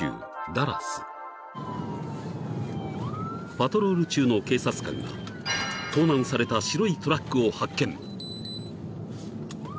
［パトロール中の警察官が盗難された白いトラックを発見］